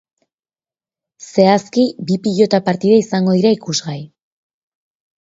Zehazki, bi pilota partida izango dira ikusgai.